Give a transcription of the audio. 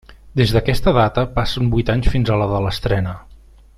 Des d'aquesta data, passen vuit anys fins a la de l'estrena.